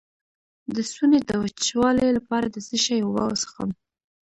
د ستوني د وچوالي لپاره د څه شي اوبه وڅښم؟